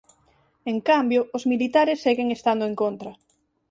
En cambio os militares seguen estando en contra.